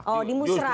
oh di musra